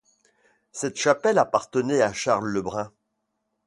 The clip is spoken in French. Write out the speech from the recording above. Cette chapelle appartenait à Charles Le Brun.